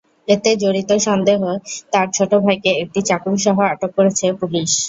এতে জড়িত সন্দেহে তাঁর ছোট ভাইকে একটি চাকুসহ আটক করেছে পুলিশ।